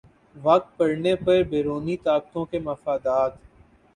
وقت پڑنے پر بیرونی طاقتوں کے مفادات